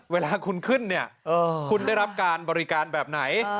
เวลาคุณขึ้นเนี่ยคุณได้รับการบริการแบบไหน